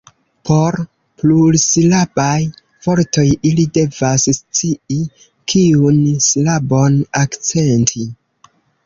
Por plursilabaj vortoj, ili devas scii kiun silabon akcenti.